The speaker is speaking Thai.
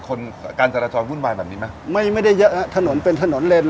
การจราจรวุ่นวายแบบนี้ไหมไม่ไม่ได้เยอะฮะถนนเป็นถนนเลน